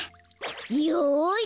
よし！